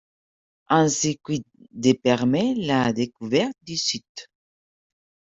Un circuit de permet la découverte du site.